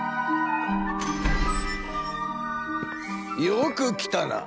よく来たな。